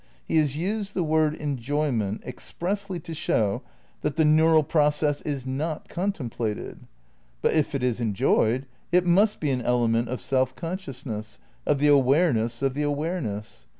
He has used the word enjoyment ex pressly to show that the neural process is not contem plated; but if it is enjoyed it must be an element of self consciousness, of the awareness of the awareness.